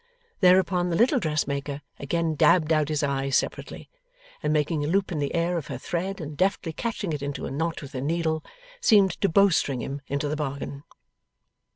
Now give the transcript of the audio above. Thereupon, the little dressmaker again dabbed out his eyes separately, and making a loop in the air of her thread and deftly catching it into a knot with her needle, seemed to bowstring him into the bargain.